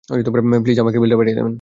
Please, আমাকে বিলটা পাঠিয়ে দেবেন!